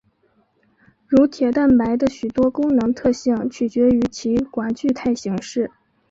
乳铁蛋白的许多功能特性取决于其寡聚态形式。